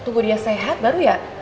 tunggu dia sehat baru ya